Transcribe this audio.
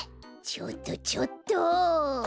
ちょっとちょっと！